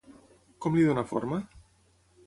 Com li dona forma?